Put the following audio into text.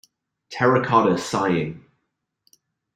Terracotta Sighing.